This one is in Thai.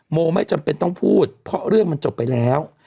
โมไม่จำเป็นต้องพูดเพราะเรื่องมันจบไปแล้ว